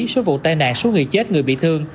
số vụ tai nạn số người chết người bị thương